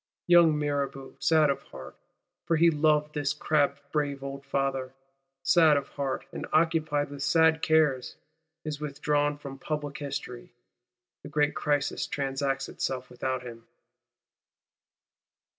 Young Mirabeau, sad of heart, for he loved this crabbed brave old Father, sad of heart, and occupied with sad cares,—is withdrawn from Public History. The great crisis transacts itself without him.